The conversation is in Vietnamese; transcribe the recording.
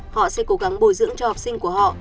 họ sẽ cố gắng bồi dưỡng cho học sinh của họ